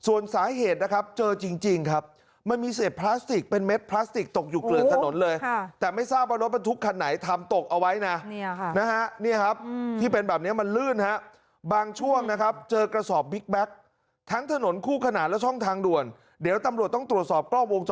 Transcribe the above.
โอ้โหล้มฮะป๊า๊บ